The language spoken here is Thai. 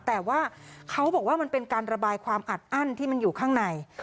แต่ว่าเขาบอกว่ามันเป็นการระบายความอัดอั้นที่มันอยู่ข้างใน